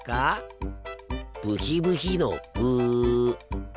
ブヒブヒのブ。